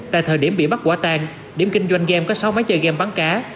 tại thời điểm bị bắt quả tang điểm kinh doanh game có sáu máy chơi game bắn cá